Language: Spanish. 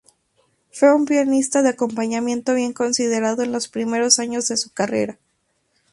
Fue un pianista de acompañamiento bien considerado en los primeros años de su carrera.